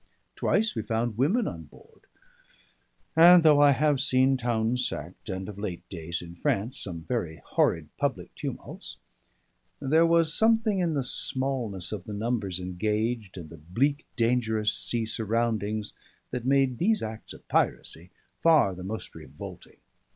Twice we found women on board; and though I have seen towns sacked, and of late days in France some very horrid public tumults, there was something in the smallness of the numbers engaged, and the bleak dangerous sea surroundings, that made these acts of piracy far the most revolting.